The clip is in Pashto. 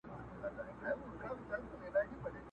ښاخ پر ښاخ پورته کېدى د هسک و لورته!.